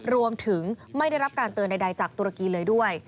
รวมถึงไม่ได้รับการเตือนใดจากตุรกีเลยด้วย